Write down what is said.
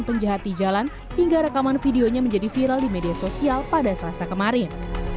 penjahat di jalan hingga rekaman videonya menjadi viral di media sosial pada selasa kemarin